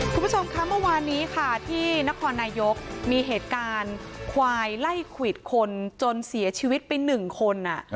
คุณผู้ชมคะเมื่อวานนี้ค่ะที่นครนายกมีเหตุการณ์ควายไล่ขวิดคนจนเสียชีวิตไป๑คน